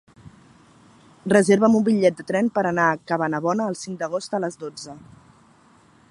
Reserva'm un bitllet de tren per anar a Cabanabona el cinc d'agost a les dotze.